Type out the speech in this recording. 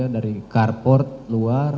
dari karpot luar